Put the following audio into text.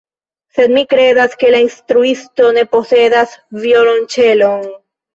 Sed mi kredas, ke la instruisto ne posedas violonĉelon.